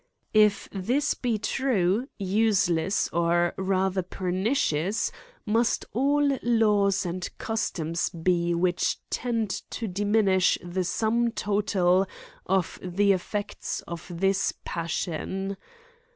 If this be true, useless, or rather perni cious, must all laws and customs be which tend to diminish the sum total of the effects of this passion.